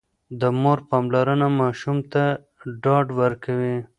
د مور پاملرنه ماشوم ته ډاډ ورکوي.